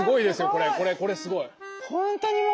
これこれこれすごい。